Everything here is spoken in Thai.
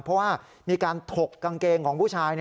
เพราะว่ามีการถกกางเกงของผู้ชาย